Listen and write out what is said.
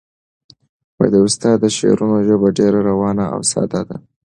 د استاد د شعرونو ژبه ډېره روانه او ساده ده.